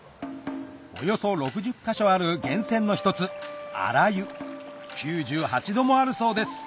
およそ６０か所ある源泉の一つ９８度もあるそうです